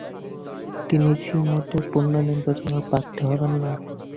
তিনি সিনেটে পুনর্নির্বাচনের প্রার্থী হবেন না।